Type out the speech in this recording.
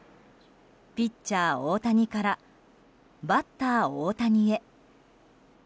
ピッチャー大谷からバッター大谷へ。